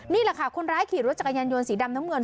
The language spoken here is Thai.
นี่แหละค่ะคนร้ายขี่รถจักรยานยนต์สีดำน้ำเงิน